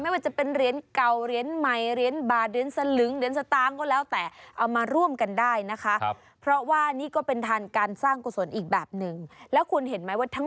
ไม่ว่าจะเป็นเหรียญเก่าเหรียญใหม่เหรียญบาท